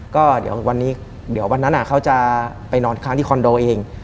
ก็เดี๋ยววันนี้เดี๋ยววันนั้นเขาจะไปนอนค้างที่คอนโดเอง